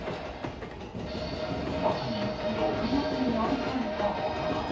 まさに、６月に愛された男。